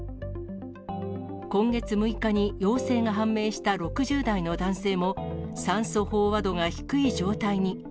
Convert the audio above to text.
今月６日に陽性が判明した６０代の男性も、酸素飽和度が低い状態に。